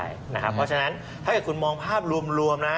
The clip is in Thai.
เพราะฉะนั้นถ้าเกิดคุณมองภาพรวมนะ